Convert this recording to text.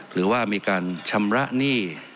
หรือว่ามีการชำระหนี้